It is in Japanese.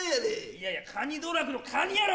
いやいやかに道楽のカニやろ！